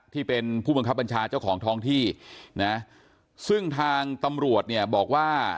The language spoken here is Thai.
ที่เป็นผู้บังคับบัญชาเจ้าของท้องที่นะซึ่งทางตำรวจเนี่ยบอกว่า